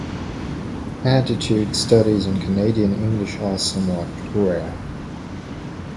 Attitude studies on Canadian English are somewhat rare.